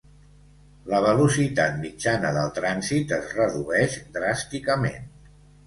La velocitat mitjana del trànsit es redueix dràsticament.